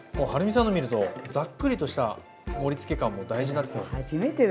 はるみさんの見るとざっくりとした盛りつけ感も大事なんですよね。